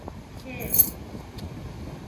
テーマ